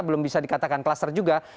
belum bisa dikatakan klaster juga